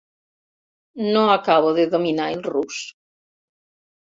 No acabo de dominar el rus.